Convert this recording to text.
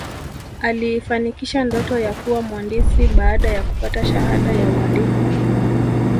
aliifanikisha ndoto ya kuwa mwandisi baada ya kupata shahada ya uandisi